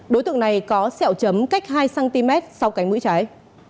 đối tượng này có sẹo chấm cách hai cm sau cánh mũi trái